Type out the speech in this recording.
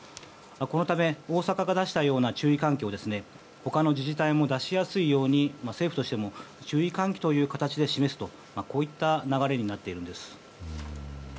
このため大阪が出したような注意喚起を他の自治体も出しやすいよう政府としても注意喚起という形で示すと、こういった流れになっているんです。